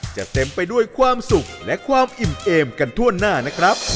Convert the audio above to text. เต็มไปด้วยความสุขและความอิ่มเอมกันทั่วหน้านะครับ